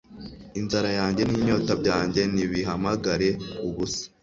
Inzara yanjye n'inyota byanjye ntibihamagare ubusa